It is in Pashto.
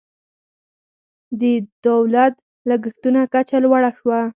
د دولت لګښتونو کچه لوړه شوه.